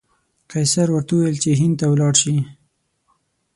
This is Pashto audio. قیصر ورته وویل چې هند ته ولاړ شي.